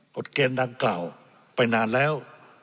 ฎเกณฑ์ดังกล่าวไปนานแล้ว